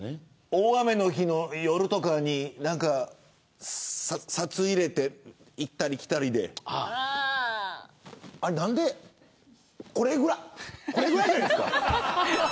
大雨の日の夜とかに札を入れて行ったり来たりであれって、これぐらいじゃないですか。